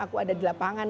aku ada di lapangan